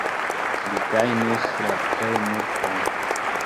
Li gajnis la plejmulton.